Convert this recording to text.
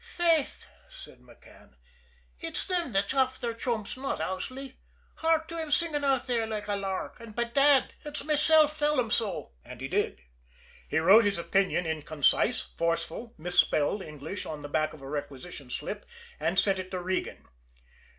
"Faith," said McCann, "it's them that's off their chumps not Owsley. Hark to him singin' out there like a lark! An', bedad, ut's mesilf'll tell 'em so!'" And he did. He wrote his opinion in concise, forceful, misspelled English on the back of a requisition slip, and sent it to Regan.